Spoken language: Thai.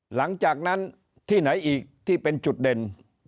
หลังจากนั้นที่ไหนอีกที่เป็นจุดเด่น